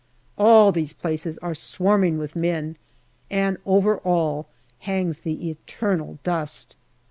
all these places are swarming with men, and over all hangs the eternal dust